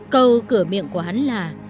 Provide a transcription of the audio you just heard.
câu cửa miệng của hắn là